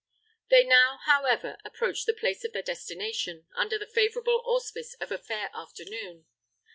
They now, however, approached the place of their destination, under the favourable auspice of a fair afternoon.